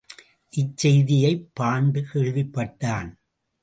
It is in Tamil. இச் செய்தியைப் பாண்டு கேள்விப்பட்டான்.